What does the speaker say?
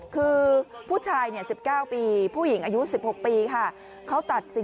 คือผู้ชาย๑๙ปีผู้หญิงอายุ๑๖ปีค่ะ